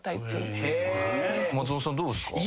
松本さんどうですか？